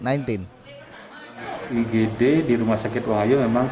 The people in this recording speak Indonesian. igd di rumah sakit wangaya memang sistemnya buka tutup karena ini menunggu